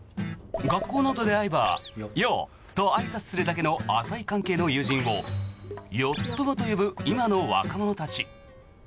学校などで会えばよっ！とあいさつするだけの浅い関係の友人をよっ友と呼ぶ今の若者たち。